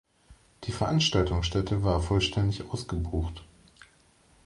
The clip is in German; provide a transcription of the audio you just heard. Die Veranstaltungsstätte war vollständig ausgebucht.